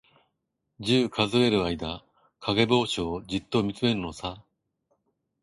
十、数える間、かげぼうしをじっとみつめるのさ。